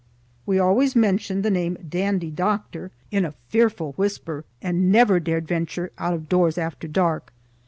We always mentioned the name "Dandy Doctor" in a fearful whisper, and never dared venture out of doors after dark.